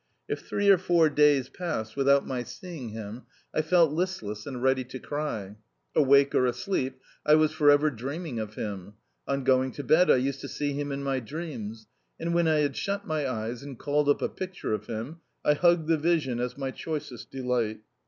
If three or four days passed without my seeing him I felt listless and ready to cry. Awake or asleep, I was forever dreaming of him. On going to bed I used to see him in my dreams, and when I had shut my eyes and called up a picture of him I hugged the vision as my choicest delight.